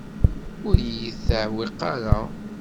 Ur yi-d-tewqiɛ ara.